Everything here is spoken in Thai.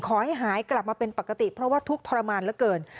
ขอให้หายกลับมาเป็นปกติเพราะว่าทุกข์ทรมานเหลือเกิน